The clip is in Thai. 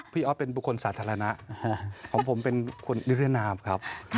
พี่ออสเป็นบุคคลสาธารณะของผมเป็นคนนิเรื่องนามครับ